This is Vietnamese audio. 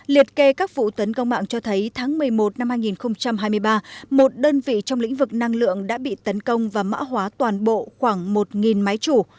liệt kê các vụ tấn công mạng cho thấy tháng một mươi một năm hai nghìn hai mươi ba một đơn vị trong lĩnh vực năng lượng đã bị tấn công và mã hóa toàn bộ khoảng một máy chủ